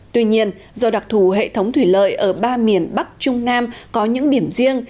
tuy nhiên do đặc thù hệ thống thủy lợi ở ba miền bắc trung nam có những điểm riêng